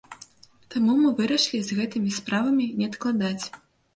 Таму мы вырашылі з гэтымі справамі не адкладаць.